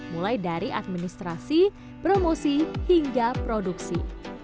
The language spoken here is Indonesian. mulai dari administrasi promosi hingga produksi